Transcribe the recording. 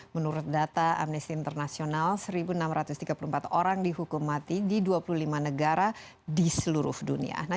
menurut data amnesty international satu enam ratus tiga puluh empat orang dihukum mati di dua puluh lima negara di seluruh dunia